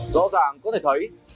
rõ ràng có thể thấy